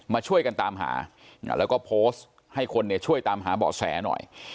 มาช่วยกันตามหาแล้วก็โพสต์ให้คนเนี่ยช่วยตามหาเบาะแสหน่อย